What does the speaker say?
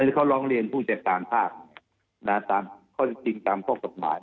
เขาร้องเรียนผู้จัดการภาคตามข้อจริงตามข้อกฎหมาย